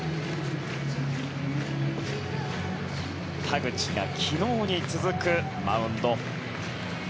田口が昨日に続くマウンド。